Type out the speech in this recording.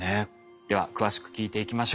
では詳しく聞いていきましょう。